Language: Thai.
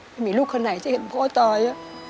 ไม่มีลูกคนไหนที่เห็นพ่อตาย